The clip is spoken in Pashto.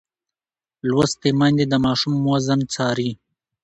لوستې میندې د ماشوم وزن څاري.